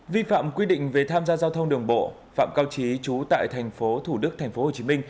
vi phạm quy định về tham gia giao thông đường bộ phạm cao trí trú tại tp thủ đức tp hcm